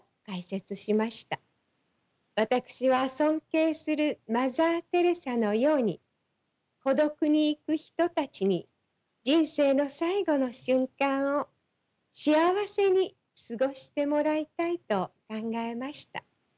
私は尊敬するマザー・テレサのように孤独に逝く人たちに人生の最期の瞬間を幸せに過ごしてもらいたいと考えました。